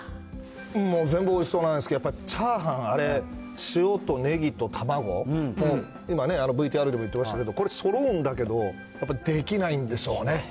もう全部おいしそうなんですけど、やっぱチャーハン、あれ、塩とネギと卵の、今、ＶＴＲでも言ってましたけど、これ、そろうんだけど、やっぱりできないんでしょうね。